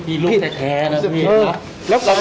พี่ลูกแต่แท้นะพี่